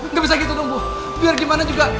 nggak bisa gitu dong bu biar gimana juga